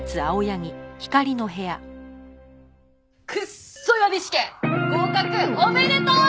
クッソ予備試験合格おめでとう！